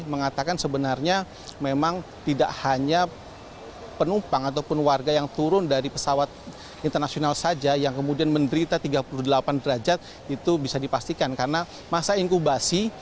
mengatakan sebenarnya memang tidak hanya penumpang ataupun warga yang turun dari pesawat internasional saja yang kemudian menderita tiga puluh delapan derajat itu bisa dipastikan karena masa inkubasi